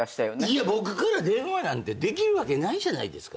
いや僕から電話なんてできるわけないじゃないですか。